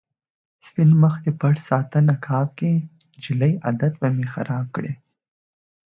سپين مخ دې پټ ساته نقاب کې، جلۍ عادت به مې خراب کړې